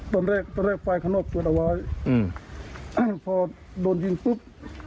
ตอนแรกตอนแรกไฟข้างนอกปืนเอาไว้อืมอ้าวพอโดนยิงปุ๊บ